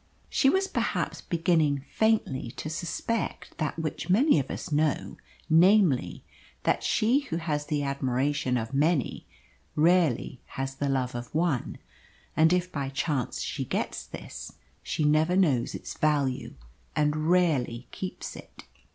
She was perhaps beginning faintly to suspect that which many of us know namely, that she who has the admiration of many rarely has the love of one; and if by chance she gets this, she never knows its value and rarely keeps it.